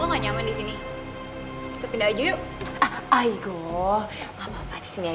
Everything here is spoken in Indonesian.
ayo kita duduk disini